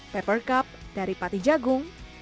paper cup dari pati jagung